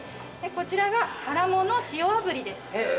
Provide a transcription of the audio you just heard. こちらがハラモの塩炙りです。